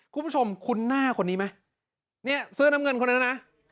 คุ้นหน้าคนนี้ไหมเนี่ยเสื้อน้ำเงินคนนั้นนะ